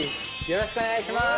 よろしくお願いします！